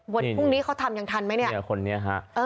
พรุ่งนี้เขาทำยังทันไหมเนี่ย